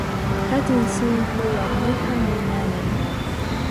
Hatun sunqu warmiqa munanan